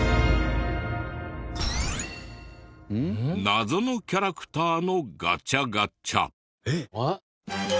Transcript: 謎のキャラクターのガチャガチャ。